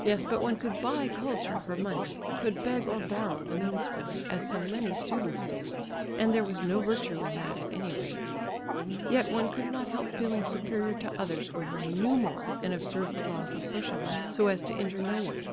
Yes, but one could buy culture for money, could beg or borrow the means for it, as so many students did, and there was no virtue in that at any rate. Yet one could not help feeling superior to others when one knew more and observed the laws of social life so as to injure no one.